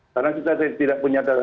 karena kita tidak punya data